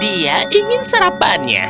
dia ingin sarapannya